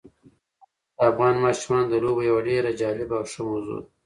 تاریخ د افغان ماشومانو د لوبو یوه ډېره جالبه او ښه موضوع ده.